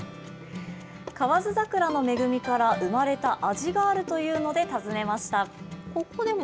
河津桜の恵みから生まれた味があるというので訪ねました。